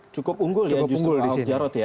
cukup unggul ya justru ahok jarot ya